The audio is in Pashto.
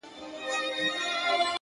د حقیقت رڼا پټېدلی نه شي,